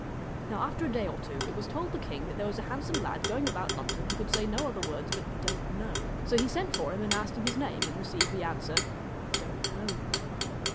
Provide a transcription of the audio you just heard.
Now after a day or two it was told the king that there was a handsome lad going about London, who could say no other words but ' Don't know.' So he sent for him and asked him his name, and received the answer ' Don't know.'